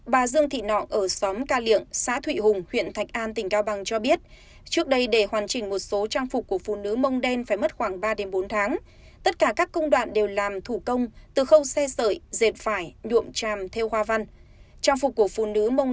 bà dương thị nọng ở xóm ca liệng xã thụy hùng huyện thạch an tỉnh cao bằng cho biết trước đây để hoàn chỉnh một số trang phục của phụ nữ mông đen phải mất khoảng ba bốn tháng tất cả các công đoạn đều làm thủ công từ khâu xe sợi dệt phải nhuộm tràm theo hoa văn